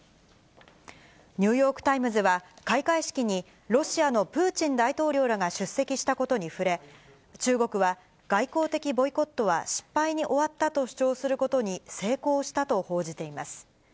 ニューヨークタイムズは、開会式にロシアのプーチン大統領らが出席したことに触れ、中国は外交的ボイコットは失敗に終わったと主張することに成功したと報じています。